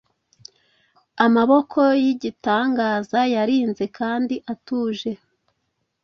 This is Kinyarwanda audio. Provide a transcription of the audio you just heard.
Amaboko yigitangaza yarinze kandi atuje